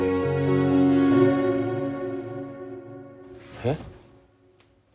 えっ。